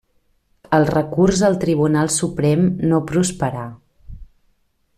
El recurs al Tribunal Suprem no prosperà.